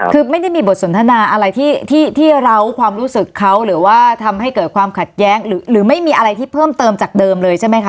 คือไม่ได้มีบทสนทนาอะไรที่เราความรู้สึกเขาหรือว่าทำให้เกิดความขัดแย้งหรือไม่มีอะไรที่เพิ่มเติมจากเดิมเลยใช่ไหมคะ